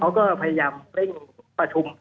เขาก็พยายามเร่งประชุม